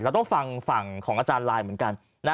ต้องฟังฝั่งของอาจารย์ไลน์เหมือนกัน